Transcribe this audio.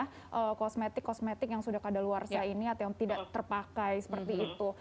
jadi ada juga kosmetik kosmetik yang sudah kadaluasa ini atau yang tidak terpakai seperti itu